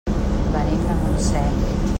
Venim de Montseny.